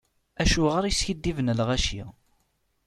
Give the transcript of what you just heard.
Acuɣer iskiddiben lɣaci?